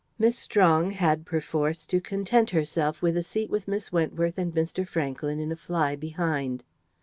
Miss Strong had, perforce, to content herself with a seat with Miss Wentworth and Mr. Franklyn in a fly behind.